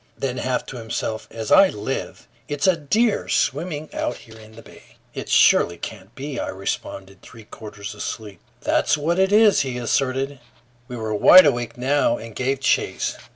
Then, half to himself, "As I live, it's a deer swimming out here in the bay!" "It surely can't be," I responded, three quarters asleep. "That's what it is!" he asserted. We were wide awake now and gave chase.